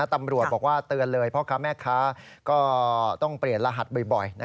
ตำรวจบอกว่าเตือนเลยพ่อค้าแม่ค้าก็ต้องเปลี่ยนรหัสบ่อย